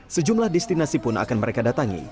sejumlah destinasi pun akan mereka datangi